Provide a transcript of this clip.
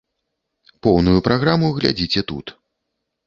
Поўную праграму глядзіце тут.